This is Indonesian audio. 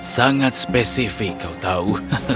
sangat spesifik kau tahu